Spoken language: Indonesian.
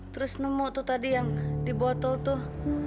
terus nemu itu tadi yang dibotol tuh